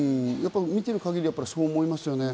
見ている限りそう思いますよね。